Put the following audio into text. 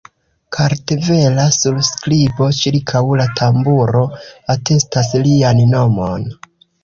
Kartvela surskribo ĉirkaŭ la tamburo atestas lian nomon.